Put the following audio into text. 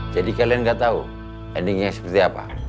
jadi kalian gak tahu endingnya seperti apa